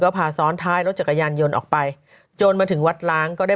พาซ้อนท้ายรถจักรยานยนต์ออกไปจนมาถึงวัดล้างก็ได้